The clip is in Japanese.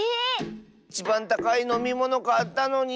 いちばんたかいのみものかったのに。